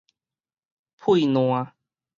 呸瀾